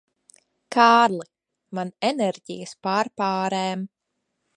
Kārli, man enerģijas pārpārēm.